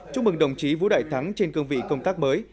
chúc mừng đồng chí vũ đại thắng trên cương vị công tác mới